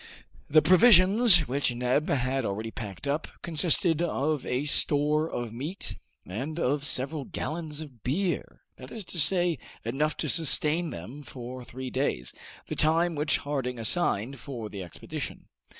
The provisions, which Neb had already packed up, consisted of a store of meat and of several gallons of beer, that is to say enough to sustain them for three days, the time which Harding assigned for the expedition.